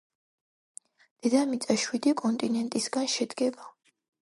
დედამიწა შვიდი კონტინეტისაგან შედგება